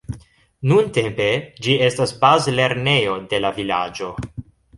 Nuntempe ĝi estas bazlernejo de la vilaĝo.